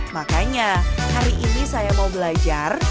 makanya hari ini saya mau belajar